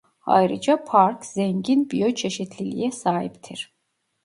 Ayrıca park zengin biyoçeşitliliğe sahiptir.